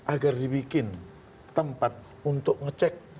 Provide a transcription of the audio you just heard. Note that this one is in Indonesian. agar dibikin tempat untuk ngecek